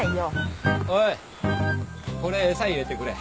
おいこれ餌入れてくれ。